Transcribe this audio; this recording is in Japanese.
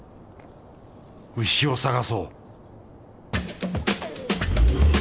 牛を探そう